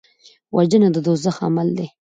وژنه د دوزخ عمل دی